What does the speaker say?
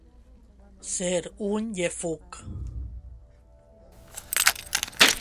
Ser un llefuc.